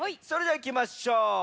それではいきましょう。